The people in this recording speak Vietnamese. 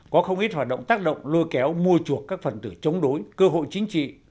có không ít hoạt động tác động lôi kéo mua chuộc các phần tử chống đối cơ hội chính trị